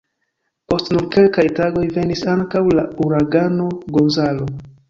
Post nur kelkaj tagoj venis ankaŭ la Uragano Gonzalo.